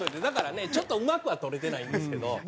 だからねちょっとうまくは撮れてないんですけど。